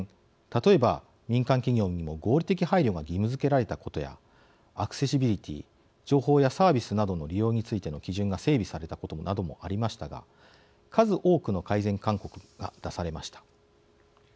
例えば民間企業にも合理的配慮が義務づけられたことやアクセシビリティー情報やサービスなどの利用についての基準が整備されたことなどもありましたが数多くの改善勧告が出されました。